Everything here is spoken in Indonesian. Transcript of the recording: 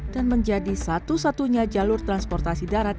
dan menjadi satu satunya jalur transportasi darat